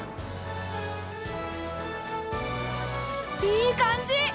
いい感じ！